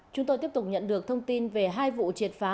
chúng tôi tiếp tục nhận được thông tin về hai vụ triệt phá